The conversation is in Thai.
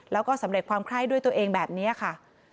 แล้วก็สำเร็จความไข้ด้วยตัวเองแบบนี้ค่ะ